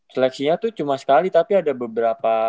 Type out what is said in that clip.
seleksinya itu cuma sekali tapi ada beberapa